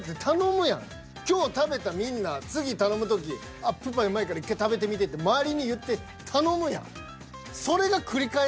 今日食べたみんな次頼む時「アップルパイうまいから１回食べてみて」って周りに言って頼むやん！